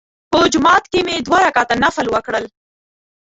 په جومات کې مې دوه رکعته نفل وکړل.